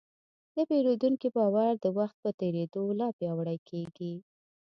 د پیرودونکي باور د وخت په تېرېدو لا پیاوړی کېږي.